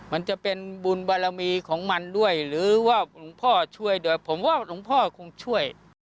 มันจะเป็นบุญบารมีของมันด้วยหรือว่าหลวงพ่อช่วยด้วยผมว่าหลวงพ่อคงช่วย